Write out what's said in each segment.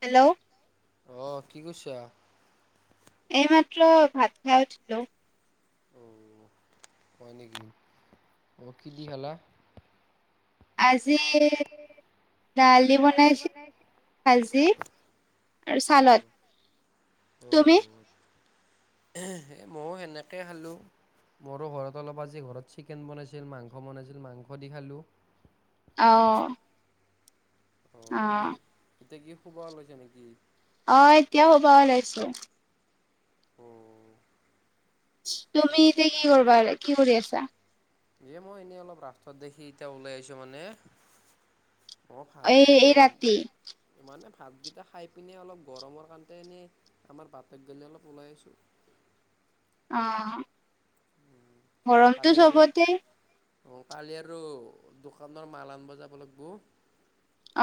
Hello অহ কি কৰছা এইমাত্ৰ ভাত খাই উঠিলো অ হয় নিকি অ কি দি খালা আজি দালি বনাইছিল ভাজি খালো। আৰু চালত তুমি এ মো সেনেকে খালোঁ মোৰো ঘৰত অলপ আজি ঘৰত চিকেন বনাইছিল মাংস বনাইছিল মাংস দি খালো অহ অ কি কি এতিয়া কি খুবা ওলৈছা নিকি অহ এতিয়া হোবা ওলাইছো অ তুমি যেয়া কি কৰবা কি কৰি আছা এ মই এনেই অলপ ৰাস্তাত দেখি এতিয়া ওলাই আহিছো মানে অ ভাত এই গীত এই অম ৰাতি মানে ভাতকেইটা খাই পিনে অলপ গৰমৰ কাৰণতে এনেই আমাৰ বাতৰ পিলে অলপ ওলাই আইছোঁ [unintelligible] অ গৰমটো কালি আৰু চবতে অ কালি আৰু দোকানৰ মাল আনব জাবা লাগব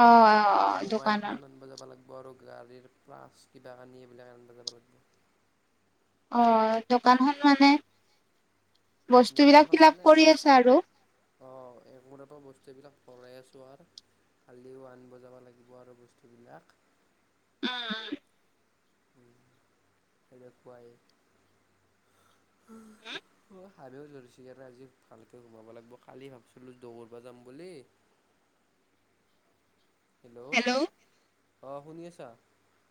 অ অ অ দোকানত বাৰু গাড়ীৰ প্লাছ্ গিটা আনি এইবিলাক আনবা যাব লাগব অ দোকানখন মানে বস্তু বিলাক দোকানখন ফিলাপ মানে অ কৰি আছা আৰু অ এমুৰৰ পৰা বস্তু এইবিলাক ভৰাই আছো আৰ কালিও আনব জাবা লাগিব আৰু বস্তুবিলাক অ অ উম এনেকুৱাই অ হাবও ধৰিছে হেকাণে আজি ভালকে সোমাব লাগব কালি ভাবিছিলো দৌৰবা যাম বুলি হেল্ল' অ শুনি আছা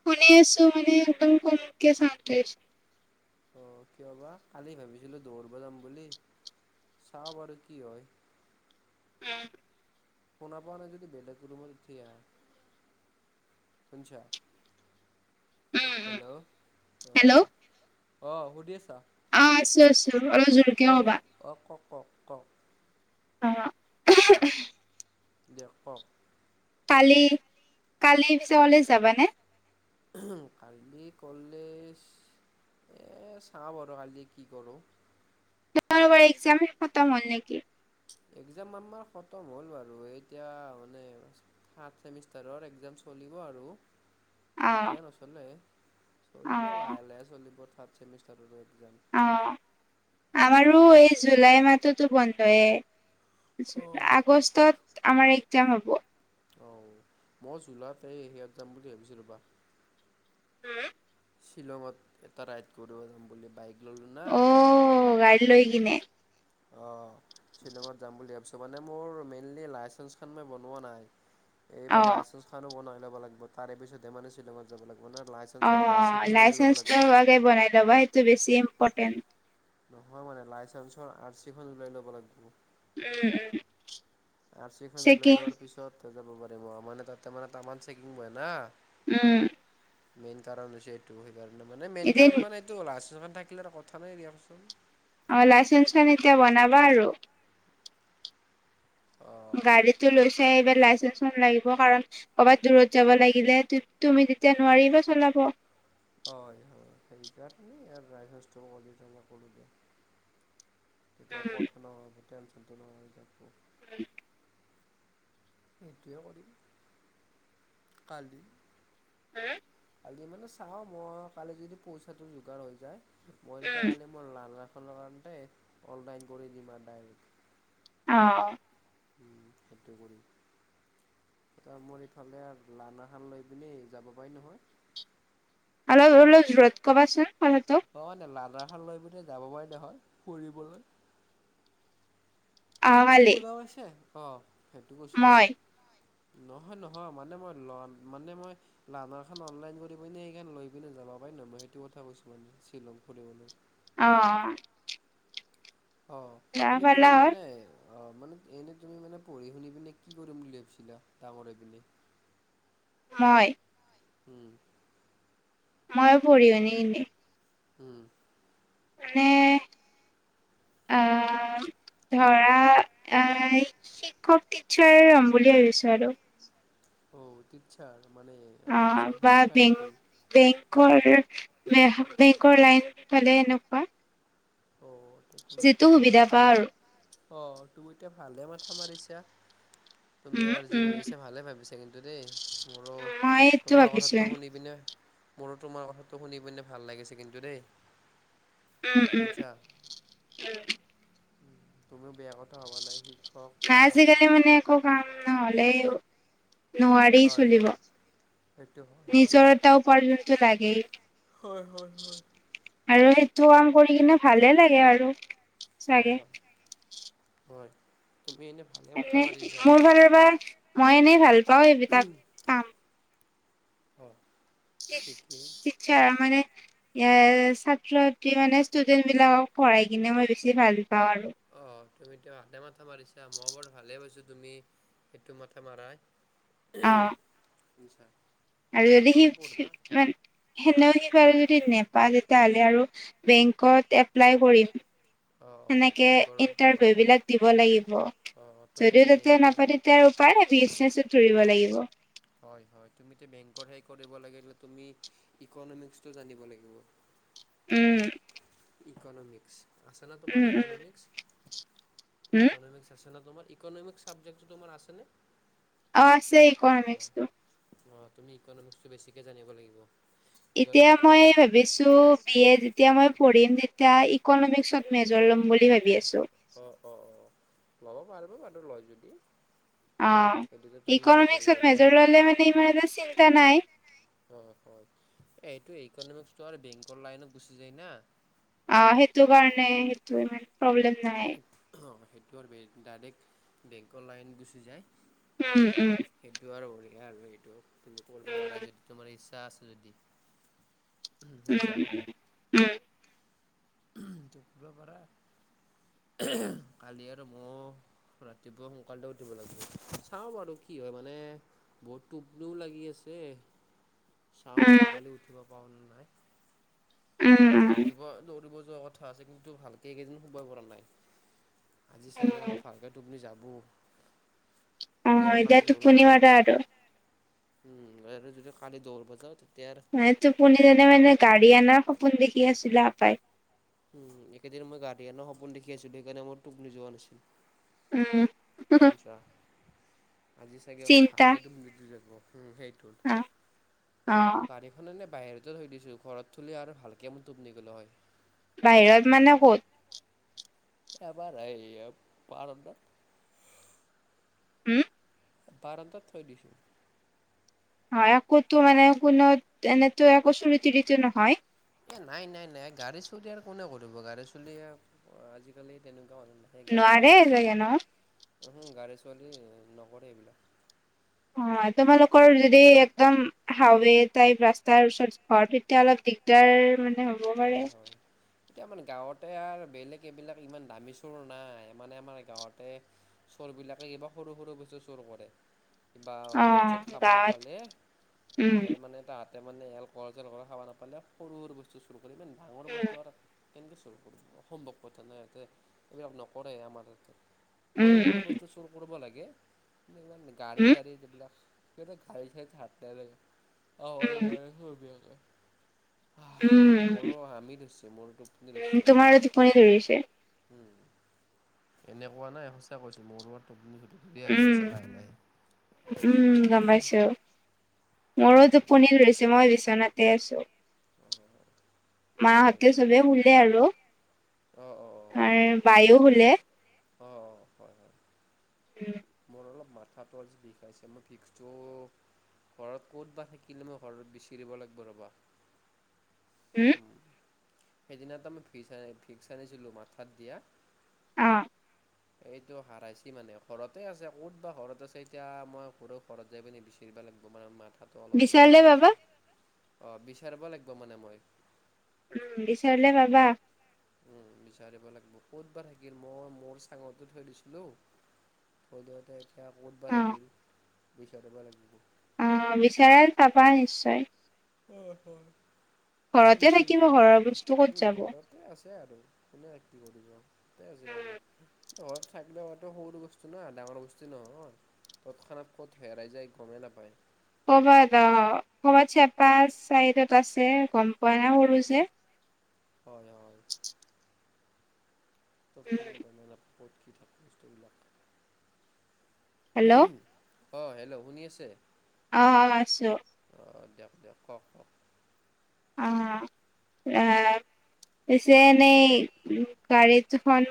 শুনি আছো মানে একদম কমকে চাউন্ড টো আহিছে অ কিয় বা কালি ভাবিছিলো দৌৰব যাম বুলি চাও আৰু কি হয় উম শুনা পোৱা নাই যদি বেলেগ ৰুমত উঠি আহা শুনছা উম, উম, হেল্ল' অহ হেল্ল' অহ শুনিছা অ আছো আছো অলপ জোৰকে কবা ক ক অ দেখক কালি কালি পিছ বেলা যাবানে কালি কলেজ এ চাও বাৰু কালি কি কৰো তোমাৰ এক্সাম খতম হ'ল নেকি। এক্সাম আমাৰ খতম হ'ল বাৰু, এতিয়া আৰু থাটড্ ছেমিষ্টাৰৰ এক্সাম চলিব আৰু অ এতিয়া নচলে অ চলিব লাহে লাহে চলিব থাৰ্ড ছেমিষ্টাৰৰ অ', আমাৰো এই জুলাই মাহতো বন্ধয় অঁ আগষ্টত আমাৰ এক্সাম হব অ', মই জোলতে এই সেয়াত যাম বুলি ভাবিছিলো ৰবা উম শ্বিলঙত এটা ৰাইড কৰিব যাম বুলি বাইক ল'লোঁ না অ', গাড়ী লৈ কিনে আহ শ্বিলঙত যাম বুলি ভাবিছো মানে মোৰ মেইনল লাইেঞ্চ ম বনোৱা নাই অ এইবাৰ লাইচেঞ্চ খানো বনাই ল'ব লাগিব তাৰে পিছতহেমানে শ্বিলঙত যাব লাগিব মানে অ লাইচেঞ্চৰ আৰ চিখন ওলাই ল'ব লাইচেন্ঞ্চটো লাগিব। হোৱাকৈ বনাই ল'বা সেইটো বেছি ইম্পৰ্টেণ্ট নহয় মানে লাইচেন্ঞ্চৰ আৰ চিখন উলাই ল'ব লাগিব উম, উম আৰ চিখন ওলাই চেকিং লোৱাৰ পিছত যাব পাৰি অ মানে তাতে মানে তামান চেকিং ব না উম। মেইন কাৰণ হৈছে এইটো সেইকাৰণে মানে মেইন এদিন কাৰণ মানে এইটো লাষ্ট কিমান থাকিলে আৰু কথা নাই দিয়কচোন অ লাইচেঞ্চখন এতিয়া বনাবা আৰু অঁ গাড়ীতটো লৈ চাই এইবাৰ লাইচেন্ঞ্চ ম লাগিব কাৰণ কৰ'ৰবাত দূৰত যাব লাগিলে তুমি যেতিয়া নোৱাৰিবা চলাব হয় হয় সেইকাৰণে [unintelligible] উম [unintelligible] [unintelligible] সটোৱে কৰিম কালি হম কালি মানে চাওঁ মই কালি যদি পইচাটো যোগাৰ হৈ যায় মই তেতিয়া উম কালি মই লাৰ্নাৰ কাৰ অনলাইন কৰি দিম আৰু ডাইৰেক্ট অ', সেইটো কৰিম এ মোৰ ইফালে লাৰ্নাৰখনলৈ পিনি যাব পাৰি নহয় অলপ ল জোৰৰত ক'বাচোন কথাটো অ', লাৰানাৰ খান লৈ পিনে যাব পাৰি নহয় ফুৰিবলৈ অহাকালি ওলাইছে আহ সেইটো কৈছো মই নহয়, নহয় মানে মই ল মানে মই লানাৰ খ অনলাইন কৰি পিনে সখন লৈ পিনে যাব পাৰি ন মই সেইটো কথা কৈছো, মানে শ্বিলং ফুৰিবলৈ অ', অ', যাবা এনে পালা তুমি হয় মানে অ', মানে এনে তুমি মানে পঢ়ি শুনি পিনে কি কৰিম বুলি ভাবিছিলা ডাঙৰহৈ পিনে [inaudible] মই উম ময়ো পঢ়ি শুনি এনেই উম, মানে, অহ, ধৰা অহ'। খাই শিক্ষক টিচাৰ হম বুলি ভাবিছোঁ আৰু অহ', টিত্ছাৰ। অহ', বা বেং-বেংকৰ বেহ, বেংকৰ লাইন পালে এনেকুৱা। অ', যিটো সুবিধা পা আৰু। অহ', তুমি তে' ভালহে মাথা মাৰিছা। তুমি উম, আৰু যি উম, ভাবিছা, ভালে ভাবিছা কিন্তু, দেই। মোৰো মই এইটো তোমাৰ ভাবিছোৱে। কথাতটো শুনি পিনে মোৰো তোমাৰ কথাটো শুনি পিনে ভাল লাগিছে কিন্তু, দেই। উম, উম, শুঞ্চা? উম, তুমিও বেয়া কথা ভবা নাই। সি- আজিকালি মানে একো কাম নহ'লে নোৱাৰি হয়, চলিব। হয়, সেইটো হয়, হয়, নিজৰ এটা উপাৰ্জনটো লাগেই। হয়, হয়, হয়, আৰু সেইটো কাম কৰি কিনে ভালে লাগে আৰু। চাগে অইও, হয়। তুমি এনে ভালে মাথা এনেই, মাৰিছা মোৰ ফালৰ পা, মই এনেই ভাল পাওঁ এইবিলাক কাম। অ'। ঠিকেই ই, ইচ্ছা মানে ইয়াৰ ছাত্ৰ ছাত্ৰী মানে ষ্টুডেন্ট বিলাকক পঢ়াই কিনে মই বেছি ভাল পাওঁ আৰু। তুমিটো তাতে মাথা মাৰিছা। ময়ো বাৰু ভালে পাইছোঁ, তুমি সেইটো মাথা মাৰাই। উম, অ', শুনছা? আৰু যদি সি, মান সেনেও সি সেটো আৰু যদি নেপা, তেতিয়া হ'লে আৰু বেংকত এপ্লাই কৰিম। অ অ সেনেকে, বেংকৰ অ ইন্টাৰভিউ বিলাক দিব লাগিব। অ তুমি যদিও এতিয়া তেতিয়া বেংকৰ নাপা, তেতিয়া আৰু উপায় নাই, বিজনেছত ধৰিব লাগিব। হয়, হয়, তুমিটো বেংকৰ সেই কৰিব লাগিলে তুমি, ইকনমিক্সটো জানিব লাগিব। উম। ইকনমিক্স, আছে না উম, তোমাৰ উম, ইকনমিক্স? হুম, ইকনমিক্স আছে না তোমাৰ, ইকনমিক চাবজেক্টটো তোমাৰ আছে নে? অ', আছে ইকনমিক্সটো। অ', তুমি ইকনমিক্সটো বেছিকে জানিব লাগিব। এতিয়া মই ইকনমিক্সটো ভাবিছোঁ, বি এ যেতিয়া মই পঢ়িম, তেত তিয়া, ইকনমিক্সত মেজৰ ল'ম বুলি ভাবি আছোঁ। অ', অ', ল'ব পাৰব বাৰু লয় যদি। অ', সেইটোতো তুমি মেজৰ ইকনমিক্সত ল'লে আৰু মেজৰ ললে মানে, ইমান এটা চিন্তা নাই। অ', অ', এ এইটো ইকনমিক্সটো আৰ বেংকৰ লাইনত গুচি যায় না। অ', সেইটো কাৰণে, সেইটো ইমান প্ৰ'ব্লেম নাই। তোৰ বেং, ডাইৰেক্ট বেংকৰ লাইন গুচি যায়। উম, উম। দিয়া আৰু সেইটো, তুমি কৰব পাৰা উম, যদি, তোমাৰ ইচ্ছা আছে যদি। উম, শুনছা উম, উম। উম, টো পুৰা পাৰা, কালি আৰু মো ৰাতিপুৱা সোনকালতে উঠিব লাগিব, চাওঁ বাৰু কি হয়, মানে বহুত টোপনিও লাগি আছে। চাওঁ উম, বাৰু, কালি উঠিব পাওঁ নে নাই। উম, উম, দৌৰিব, দৌৰিব যোৱা কথা আছে, কিন্তু ভালকে এইকেইদিন শুবা পাৰা নাই। আজি চাগে উম। অলপ ভালকে টোপনি যাব। যদি আৰু অ', এতিয়া টোপনি মাৰা আৰু। উম, ইয়াৰে যদি কালি দৌৰবা যাওঁ, তে মই টোপনিত এনে মানে গাড়ী আনাৰ সপোন দেখি আছিলোঁ, আপাই। উম, এইকেদিন মই গাড়ী আনা সপোন দেখি আছিলোঁ, সেইকাৰণে মোৰ টোপনি যোৱা নাছিল। উম শুনছা? আজি চাগে অলপ চিন্তা ভালকে টোপনিতো যাব, উম সেইটো, অ অ গাড়ীখন এনে বাহিৰতে থৈ দিছোঁ। ঘৰত থ'লি আৰু ভালকে মোৰ টোপনি গেলা হয়। বাহিৰত মানে ক'ত? এ আমাৰ এই বাৰাণ্ডাত। হম বাৰাণ্ডাত থৈ দিছোঁ। হয়, একোতো হোৱানাই, কোনো এনেতো একো চুৰি-তুৰিটো নহয়? এহ, নাই, নাই, নাই, গাড়ী চুৰি আৰু কোনে কৰিব, গাড়ী চুলি আৰ আজি-কালি তেনেক নোৱাৰে চাগে ন হয়। অ', তোমালোকৰ যদি একদম হাইৱে টাইপ ৰাস্তাৰ ওচৰত ঘৰ, তেতিয়া অলপ দিগদাৰ মানে হ'ব পাৰে। হয় হয় এতিয়া আমাৰ গাঁৱতে আৰু বেলেগ এইবিলাক ইমান দামী চোৰ নাই। মানে আমাৰ গাঁৱতে চোৰবিলাকে কিবা সৰু-সৰু বস্তু চোৰ কৰে। কিবা অ মদ-চদ খাব গাঁৱত নাপালে, উম এই মানে তা তাৰমানে এলক'হল-চেলক'হল খাব নাপালে সৰু-সৰু বস্তু চুৰ কৰে, ইমান ডাঙৰ বস্তু আৰ কেনেকে চুৰ কৰিব? অসম্ভৱ কথা না ইয়াতে। এইবিলাক নকৰে আমাৰ ইয়াতে। উম সৰু-সৰু বস্তু চুৰ কৰিব লাগে। ইমান উম উম গাড়ী-চাৰী যিবিলাক উম উম [unintelligible] উম মোৰো হামি ধ'চছি, মোৰ টোপনি উম উম ধ'চচি আৰ তোমাৰো টোপনি ধৰিছে এনে কোৱা নাই, সঁচা কৈছো, মোৰো আৰু টোপনি খ উম উম, গম পাইছোঁ। মোৰো টোপনি ধৰিছে, মই বিচনাতে আছোঁ। মাহঁতে এইটো চবে শুলে আৰু, অ অ অ আৰু বাইও শুলে। অ', হয়, হয়, মোৰ অলপ মা -থাটো আজি বিষাইছে, মোৰ ভিক্সটোও ঘৰত ক'ত বা থাকিলে, মই ঘৰত বিচেৰিব লাগব ৰ'বা। উম, সেইদিনা এটা মই ভিক্স আনিছিলো, মাথাত দিয়া। অ'। এইটো হাৰাইছি মানে, ঘৰতে আছে। ক'ত বা ঘৰত আছে এতিয়া, মই ঘৰো ঘৰত যাই ফালে বিচাৰিম। লাগব', মানে মাথাটো অলপ, অলপ বিচাৰিলে পাবা বিষাইছে। অ', বিচাৰিব লাগব মানে মই। উম, বিচাৰিলে পাবা। উম, বিচাৰিব লাগব। ক'তবা থাকিল, মই মোৰ চাঙতে থৈ দিছিলো। সদ্যহতে এতিয়া ক'তবা থাকিল! বিচাৰিব লাগিব। অহ, বিচাৰা, পাবা নিশ্চয়। হয়, হয়। ঘৰতে থাকিব বিচাৰিম। ঘৰৰ বস্তু ক'ত উম, যাব ঘৰতে আছে আৰু কোনে [unintelligible] ইয়াতে আছে আৰু। ঘৰত থাকলে, এইটো সৰু বস্তু নহ', ডাঙৰ বস্তু নহয়। তৎক্ষণাত ক'ত হেৰাই যায়, গমেই নাপায়। কৰ'বাত অহ, কৰ'বাত চেপা চাইডত আছে গম পোৱা নাই সৰু যে হয়, হয়। [inaudible] উম, তৎক্ষণাত গমেই নাপাওঁ, ক'ত কি থাকে বস্তুবিলাক। হেল্ল'। অ', হেল্ল' শুনি আছে? অ আছো অঁ দিয়ক দিয়ক কওক কওক অ আহ পিছে এনেই উম গাড়ী দুখন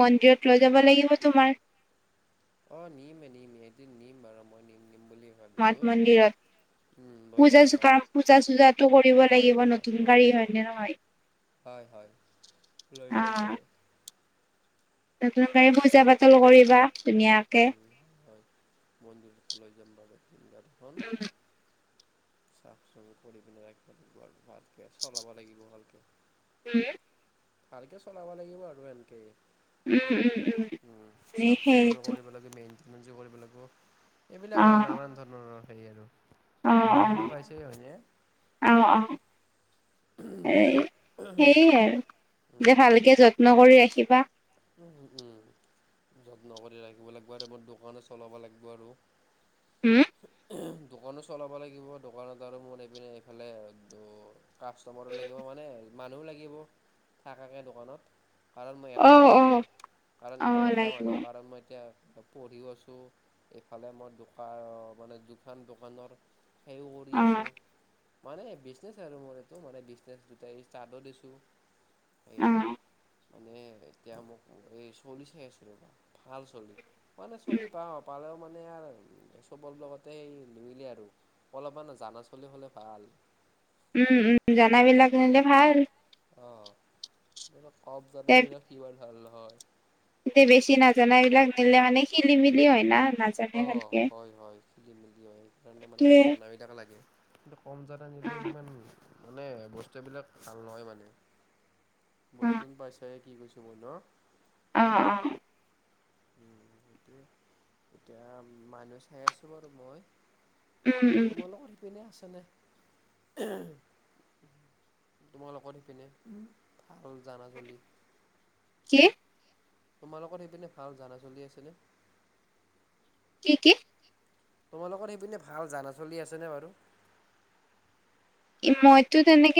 মন্দিৰত লৈ যাব লাগিব তোমাৰ অ নিমে নিম এদিন নিম বাৰু মই নিম নিম বুলি মঠ ভাবিছোঁ। উম, মন্দিৰত লৈ পূজা যাম চূকা বাৰু। পূজা চূজাটো কৰিব হয় লাগিব হয় নতুন হয় গাড়ী হয় হয়নে নহয় হয় হয় লৈ অ যাম বৰু নতুন গাড়ী পূজা পাতল কৰিবা ধুনীয়াকে উম হয়। মন্দিৰত লৈ যাম বাৰু জিদিনাখন উম চাফ চুফ কৰি পিনে ৰাখিব লাগিব আৰু ভালকে চলাব লাগিব ভালকে উম ভালকে চলাব লাগিব আৰু সেনকে উম উম উম সেইতো মনজি কৰিব লাগিব এইবিলাক অ আৰু নানান ধৰণৰ হেৰি আৰু অ বুজিছুন অ পাইছে হয় নে অ অ এই সেইয়ে আৰু যে উম, ভালকে যত্ন কৰি ৰাখিবা। উম, যত্ন কৰি ৰাখিব লাগিব আৰু মোৰ দোকানো চলাব লাগিব আৰু। হুম [inaudible] দোকানো চলাব লাগিব, দোকানত আৰু মোৰ এইপিনে এইফালে কাষ্টমাৰো লাগিব মানে মানুহ লাগিব থাকাকে দোকানত, কাৰণ মই এটা অ অ মানুহ, কাৰণ অ মই এটা লাগিব মানুহ, অ কাৰণ মই এতিয়া পঢ়িও আছো, এইফালে মই দোকা মানে‌ দুখান দোকানৰ সেইও কৰি আছো। মানে বিজনেচ আৰু মোৰ এইটো মানে বিজনেচ দুটাই ষ্টাৰ্টো দিছো। সেই অ আৰু উম মানে এতিয়া মোক এই চলি চাই আছো ৰবা। ভাল চলি, মানে চলি পাওঁ পালেও মা মানে আৰ চবৰ লগতে সেই নিমিলে আৰু অলপমান জানা চলি হলে ভাল। উম, উম, জানাবিলাক নিলে ভাল। অ, কম এ জানাবিলাক সিমান ভাল ন এতিয়া বেছি নাজানাবিলাক নিলে মানে খেলি-মেলি হয় না। নাজানে অ, ভালকে হয় হয় খেলি-মেলি হয়, সেইকাৰণে মানে অলপ সেইটোৱে জানাবিলাক লাগে কম জানা অ নিলে সিমান মানে বস্তুবিলাক ভাল নহয় মানে। বুজিছুন পাইছা এ কি কৈছো মই ন? অ, অ। উম সেইটোয়ে, এতিয়া মানুহ চাই আছো বাৰু মই। উম, উম, তোমাৰ লগৰ সিপিনে আছেনে? তোমাৰ লগৰ সিপিনে, ভাল জানা ছলি। কি? তোমালোকৰ সেইপিনে ভাল জানা চলি আছেনে? কি কি? তোমালোকৰ সেইপিনে ভাল জানা চলি আছেনে বাৰু? মইতো তেনেকে